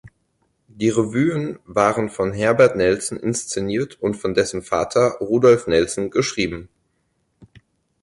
Die Revuen waren von Herbert Nelson inszeniert und von dessen Vater Rudolf Nelson geschrieben.